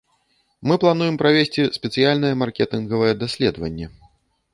Мы плануем правесці спецыяльнае маркетынгавае даследаванне.